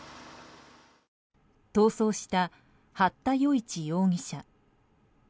逃走した、八田與一容疑者。